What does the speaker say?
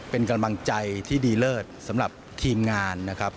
เป็นกำลังใจที่ดีเลิศสำหรับทีมงานนะครับ